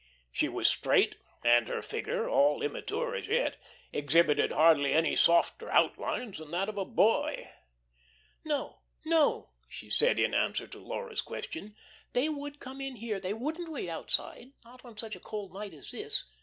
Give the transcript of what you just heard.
She was straight, and her figure, all immature as yet, exhibited hardly any softer outlines than that of a boy. "No, no," she said, in answer to Laura's question. "They would come in here; they wouldn't wait outside not on such a cold night as this.